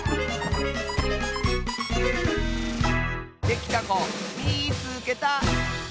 できたこみいつけた！